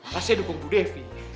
pasti dukung bu devi